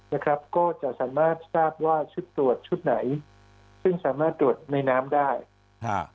นะครับก็จะสามารถทราบว่าชุดตรวจชุดไหนซึ่งสามารถตรวจในน้ำได้ฮะ